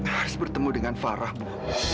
haris bertemu dengan farah bu